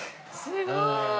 すごい。